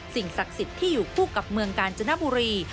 ศักดิ์สิทธิ์ที่อยู่คู่กับเมืองกาญจนบุรี